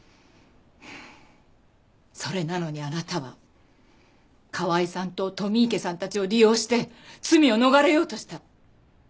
それなのにあなたは川井さんと富池さんたちを利用して罪を逃れようとした。